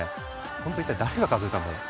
ほんと一体誰が数えたんだろう？